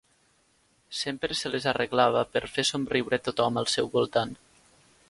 Sempre se les arreglava per fer somriure a tothom al seu voltant.